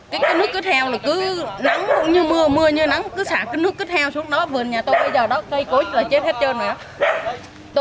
cái nước cứ theo là cứ nắng cũng như mưa mưa như nắng cứ xả cái nước cứ theo xuống đó vườn nhà tôi bây giờ đó cây cối là chết hết trơn rồi đó